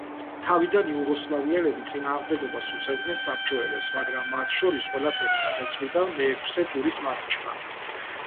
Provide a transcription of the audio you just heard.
თავიდან იუგოსლავიელები წინააღმდეგობას უწევდნენ საბჭოელებს, მაგრამ მათ შორის ყველაფერი გადაწყვიტა მეექვსე ტურის მატჩმა.